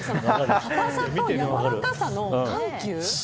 硬さとやわらかさの緩急。